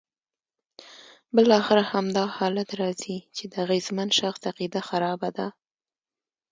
بالاخره همدا حالت راځي چې د اغېزمن شخص عقیده خرابه ده.